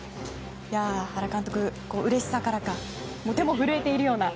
原監督、うれしさからか手も震えているような。